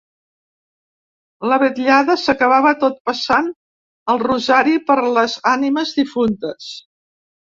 La vetllada s’acabava tot passant el rosari per les ànimes difuntes.